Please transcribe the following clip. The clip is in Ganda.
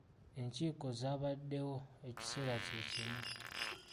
Enkiiko zaabaddewo ekiseera kye kimu.